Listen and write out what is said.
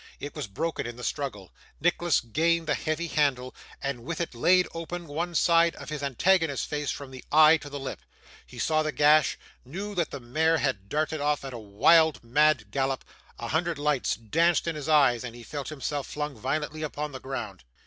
It was broken in the struggle; Nicholas gained the heavy handle, and with it laid open one side of his antagonist's face from the eye to the lip. He saw the gash; knew that the mare had darted off at a wild mad gallop; a hundred lights danced in his eyes, and he felt himself flung violently upon the ground.